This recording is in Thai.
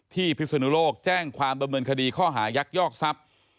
พิศนุโลกแจ้งความดำเนินคดีข้อหายักยอกทรัพย์